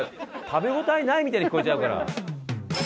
食べ応えないみたいに聞こえちゃうから。